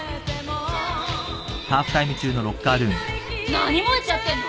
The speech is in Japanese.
何燃えちゃってんの？